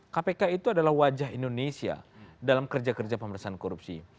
kpk itu adalah wajah indonesia dalam kerja kerja pemerintahan korupsi